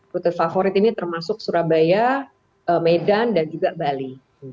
rute favorit ini termasuk surabaya medan dan juga bali